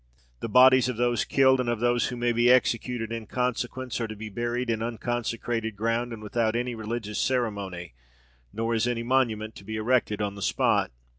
The bodies of those killed, and of those who may be executed in consequence, are to be buried in unconsecrated ground, and without any religious ceremony; nor is any monument to be erected on the spot.